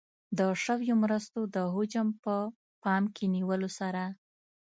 د شویو مرستو د حجم په پام کې نیولو سره.